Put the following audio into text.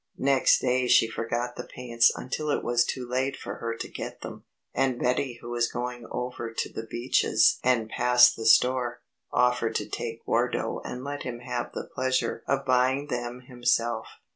Next day she forgot the paints until it was too late for her to get them, and Betty who was going over to The Beeches and past the store, offered to take Wardo and let him have the pleasure of buying them himself.